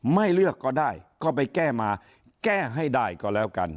ไม่เลือกก็ได้ก็ไปแก้มาแก้ให้ได้ก็แล้วกัน